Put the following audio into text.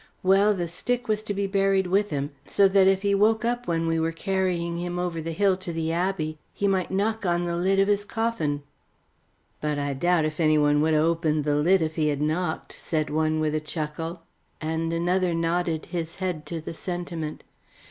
Well, the stick was to be buried with him, so that if he woke up when we were carrying him over the hill to the Abbey he might knock on the lid of his coffin." "But I doubt if any one would ha' opened the lid if he had knocked," said one, with a chuckle, and another nodded his head to the sentiment.